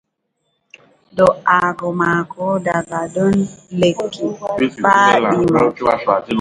Do"aago maako daga dow lekki faɗɗi mo.